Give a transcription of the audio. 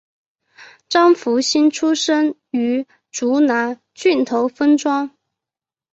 张福兴出生于竹南郡头分庄。